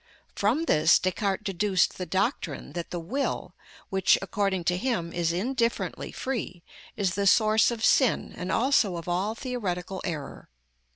From this Descartes deduced the doctrine that the will, which, according to him, is indifferently free, is the source of sin, and also of all theoretical error.